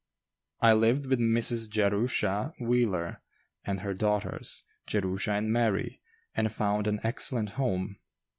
I lived with Mrs. Jerusha Wheeler and her daughters, Jerusha and Mary, and found an excellent home.